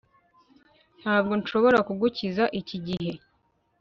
Ntabwo nshobora kugukiza iki gihe